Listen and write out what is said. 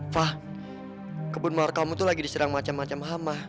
fah kebun mawar kamu tuh lagi diserang macam macam hama